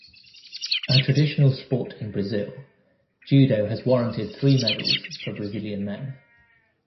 A traditional sport in Brazil, Judo has warranted three medals, for Brazilian men.